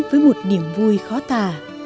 với một niềm vui khó tà